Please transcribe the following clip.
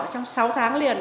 trong sáu tháng liền